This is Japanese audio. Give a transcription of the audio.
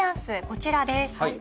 こちらです。